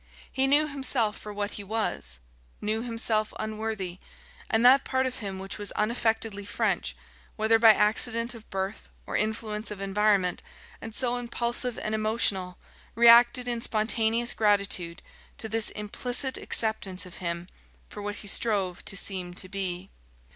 He knew himself for what he was, knew himself unworthy; and that part of him which was unaffectedly French, whether by accident of birth or influence of environment, and so impulsive and emotional, reacted in spontaneous gratitude to this implicit acceptance of him for what he strove to seem to be.